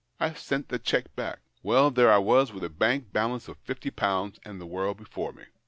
I sent the cheque back. "Well, there I was with a bank balance of fifty pounds and the world before me."